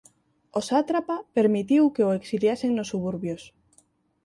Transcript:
O sátrapa permitiu que o exiliasen nos suburbios.